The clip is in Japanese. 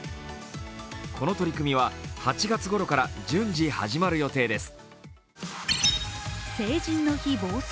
この取り組みは、８月ごろから順次始まる予定です。